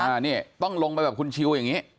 อันนี้ต้องลงไปแบบคุณชิวอย่างนี้